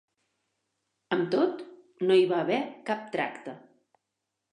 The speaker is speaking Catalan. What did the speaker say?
Amb tot, no hi va haver cap tracte.